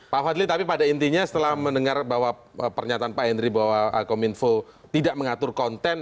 pak fadli tapi pada intinya setelah mendengar bahwa pernyataan pak henry bahwa kominfo tidak mengatur konten